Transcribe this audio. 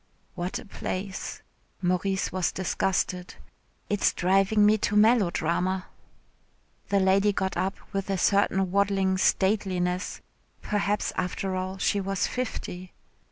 "What a place," Maurice was disgusted; "it is driving me to melodrama." The lady got up with a certain waddling stateliness (perhaps after all she was fifty).